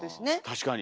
確かに。